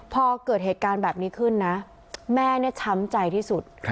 พอเกิดเหตุการณ์แบบนี้ขึ้นนะแม่เนี่ยช้ำใจที่สุด